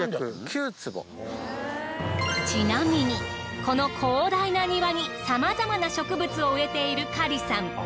ちなみにこの広大な庭にさまざまな植物を植えているカリさん。